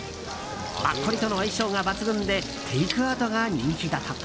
マッコリとの相性が抜群でテイクアウトが人気だとか。